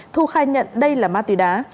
thu khai nhận đây là ma túy đá